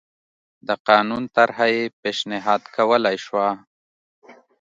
د قانون طرحه یې پېشنهاد کولای شوه